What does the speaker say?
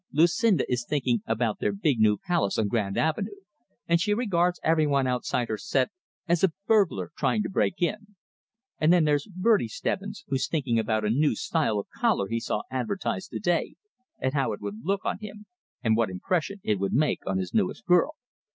Lucinda is thinking about their big new palace on Grand Avenue, and she regards everyone outside her set as a burglar trying to break in. And then there's Bertie Stebbins, who's thinking about a new style of collar he saw advertised to day, and how it would look on him, and what impression it would make on his newest girl."